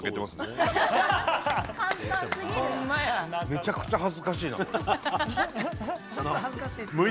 めちゃくちゃ恥ずかしいなこれ。